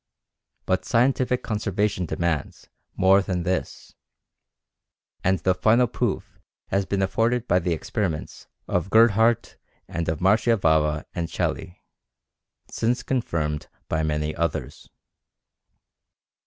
But scientific conservatism demands more than this, and the final proof has been afforded by the experiments of Gerhardt and of Marchiafava and Celli since confirmed by many others.